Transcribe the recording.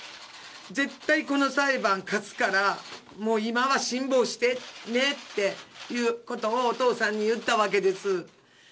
絶対、この裁判勝つから、もう今は辛抱してねっていうことを、お父さんに言ったわけです。